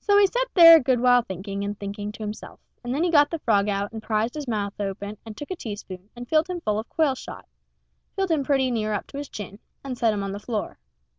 So he set there a good while thinking and thinking to himself, and then he got the frog out and prized his mouth open and took a teaspoon and filled him full of quail shot filled him pretty near up to his chin and set him on the floor.